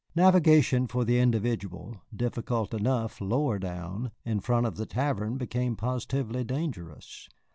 Navigation for the individual, difficult enough lower down, in front of the tavern became positively dangerous.